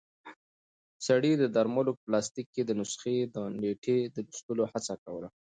سړی د درملو په پلاستیک کې د نسخې د نیټې د لوستلو هڅه کوله.